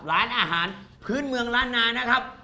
ร้านอาหารพื้นเมืองล้านนานะครับ